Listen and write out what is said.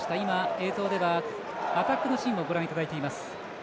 映像では、アタックのシーンをご覧いただいています。